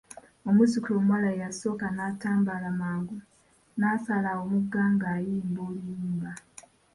Omuzukulu omuwala eyasooka n'atambala mangu nasala omugga nga yimba oluyimba.